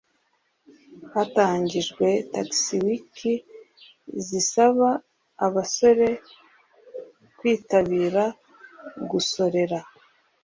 Hatangijwe Tax week zisaba abasora kwitabira gusorera